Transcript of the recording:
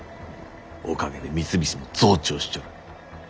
おかげで三菱も増長しちょる。